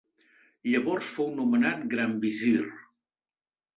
Llavors fou nomenat gran visir.